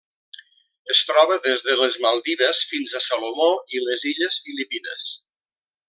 Es troba des de les Maldives fins a Salomó i les illes Filipines.